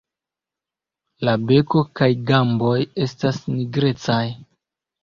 La beko kaj gamboj estas nigrecaj.